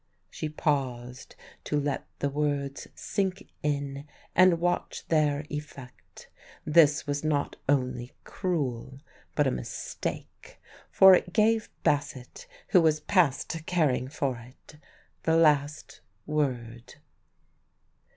She paused to let the words sink in and watch their effect. This was not only cruel, but a mistake; for it gave Bassett who was past caring for it the last word.